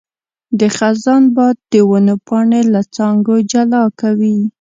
د خزان باد د ونو پاڼې له څانګو جلا کوي.